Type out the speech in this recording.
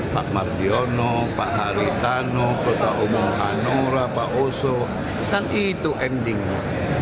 pak mardiono pak haritano kota umum anora pak oso dan itu endingnya